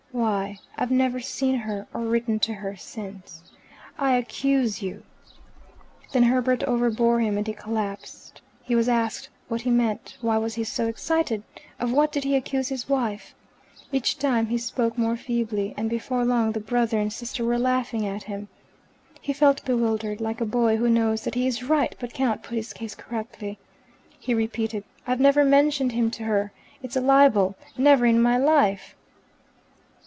Why, I've never seen her or written to her since. I accuse you." Then Herbert overbore him, and he collapsed. He was asked what he meant. Why was he so excited? Of what did he accuse his wife. Each time he spoke more feebly, and before long the brother and sister were laughing at him. He felt bewildered, like a boy who knows that he is right but cannot put his case correctly. He repeated, "I've never mentioned him to her. It's a libel. Never in my life."